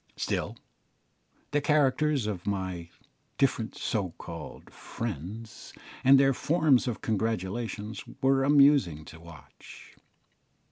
Still, the characters of my different so called "friends," and their forms of congratulation, were amusing to watch.